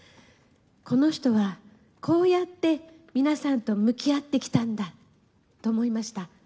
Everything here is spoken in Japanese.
この人はこうやって皆さんと向き合ってきたんだと思いました。